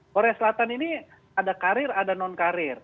korea selatan ini ada karir ada non karir